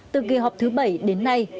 từ kỳ họp thứ bảy đến nay